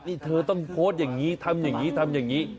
นี่เธอต้องโพสต์อย่างนี้ทำอย่างนี้ทำอย่างนี้